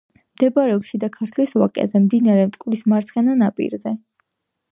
მდებარეობს შიდა ქართლის ვაკეზე, მდინარე მტკვრის მარცხენა ნაპირზე.